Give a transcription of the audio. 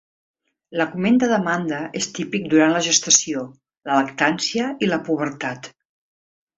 L'augment de demanda és típic durant la gestació, la lactància i la pubertat.